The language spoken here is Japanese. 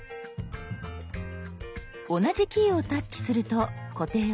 同じキーをタッチすると固定は解除。